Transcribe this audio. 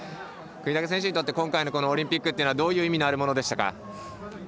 國武選手にとって今回のオリンピックというのはどういう意味のあるものでしたか。